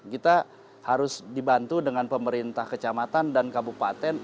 kita harus dibantu dengan pemerintah kecamatan dan kabupaten